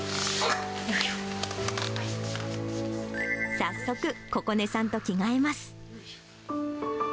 早速、ここねさんと着替えます。